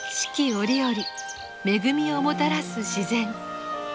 折々恵みをもたらす自然。